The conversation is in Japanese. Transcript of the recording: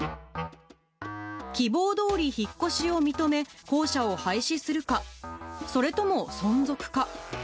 希望どおり引っ越しを認め、公舎を廃止するか、それとも存続か。